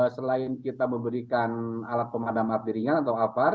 selain kita memberikan alat pemadam api ringan atau apar